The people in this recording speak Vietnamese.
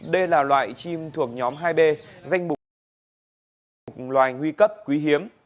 đây là loại chim thuộc nhóm hai b danh mục loài nguy cấp quý hiếm